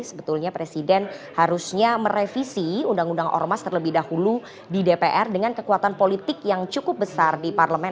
sebetulnya presiden harusnya merevisi undang undang ormas terlebih dahulu di dpr dengan kekuatan politik yang cukup besar di parlemen